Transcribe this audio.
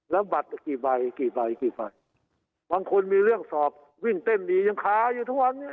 แล้วบัตรกี่ใบกี่ใบกี่ใบบางคนมีเรื่องสอบวิ่งเต้นดียังค้าอยู่ทุกวันนี้